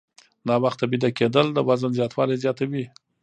ناوخته ویده کېدل د وزن زیاتوالی زیاتوي.